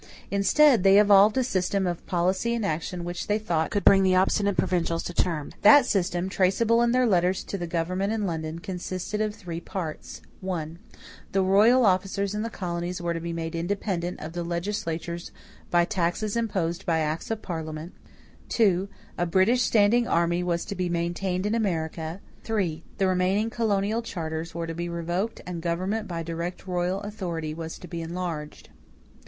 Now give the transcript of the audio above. Instead they evolved a system of policy and action which they thought could bring the obstinate provincials to terms. That system, traceable in their letters to the government in London, consisted of three parts: (1) the royal officers in the colonies were to be made independent of the legislatures by taxes imposed by acts of Parliament; (2) a British standing army was to be maintained in America; (3) the remaining colonial charters were to be revoked and government by direct royal authority was to be enlarged.